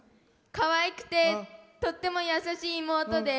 かわいくてとっても優しい妹です。